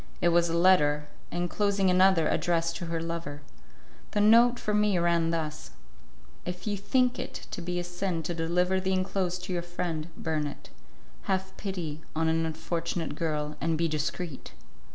It was a letter, enclosing another addressed to her lover. The note for me ran thus: "If you think it to be a sin to deliver the enclosed to your friend, burn it. Have pity on an unfortunate girl, and be discreet."